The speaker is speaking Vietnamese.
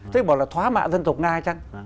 thế bảo là thóa mạ dân tộc nga chăng